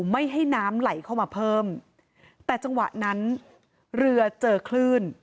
ไม่ให้น้ำไหลเข้ามาเพิ่มแต่จังหวะนั้นเรือเจอคลื่น